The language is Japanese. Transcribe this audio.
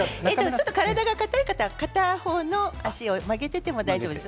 ちょっと体が硬い方は片方の足を曲げてでも大丈夫です。